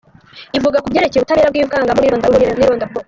Ivuga ku byerekeye ubutabera bwivangwamo n’irondaruhu n’irondabwoko.